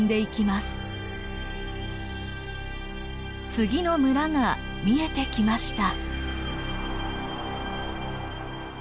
次の村が見えてきました。